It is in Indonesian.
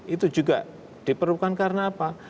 itu juga diperlukan karena apa